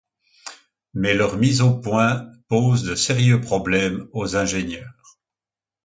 Mais leur mise au point pose de sérieux problèmes aux ingénieurs.